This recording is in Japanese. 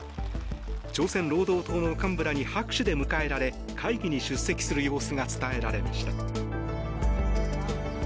朝鮮労働党の幹部らに拍手で迎えられ会議に出席する様子が伝えられました。